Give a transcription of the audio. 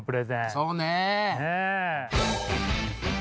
そうね。